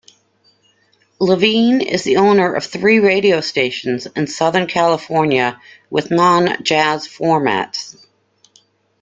Levine is the owner of three radio stations in Southern California with non-jazz formats.